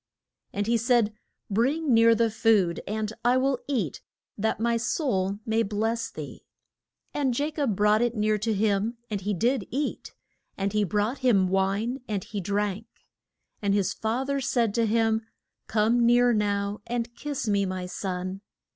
And he said, Bring near the food, and I will eat, that my soul may bless thee. And Ja cob brought it near to him, and he did eat, and he brought him wine and he drank. And his fa ther said to him, Come near now, and kiss me, my son.